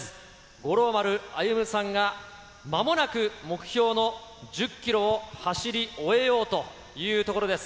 五郎丸歩さんが、まもなく目標の１０キロを走り終えようというところです。